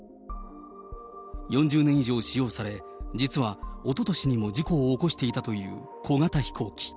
４０年以上使用され、実はおととしにも事故を起こしていたという小型飛行機。